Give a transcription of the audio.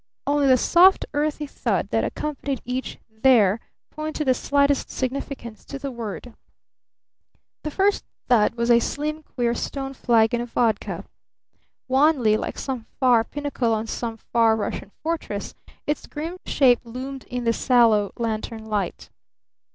Only the soft earthy thud that accompanied each "There" pointed the slightest significance to the word. The first thud was a slim, queer, stone flagon of vodka. Wanly, like some far pinnacle on some far Russian fortress, its grim shape loomed in the sallow lantern light.